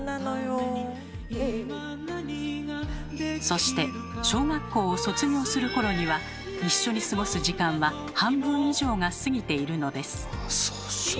そして小学校を卒業する頃には一緒に過ごす時間は半分以上が過ぎているのです。